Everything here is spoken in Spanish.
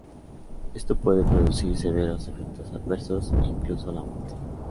Esto puede producir severos efectos adversos e incluso la muerte.